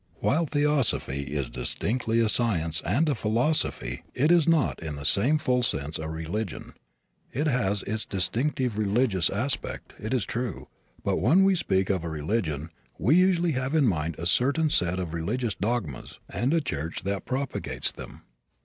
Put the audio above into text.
While theosophy is distinctly a science and a philosophy it is not, in the same full sense, a religion. It has its distinctive religious aspect, it is true, but when we speak of a religion we usually have in mind a certain set of religious dogmas and a church that propagates them.